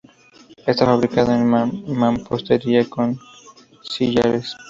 Está fabricado en mampostería, con sillares.